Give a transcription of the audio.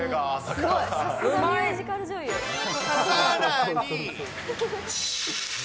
さらに。